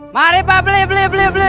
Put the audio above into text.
mari pak beli beli beli